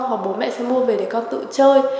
hoặc bố mẹ sẽ mua về để con tự chơi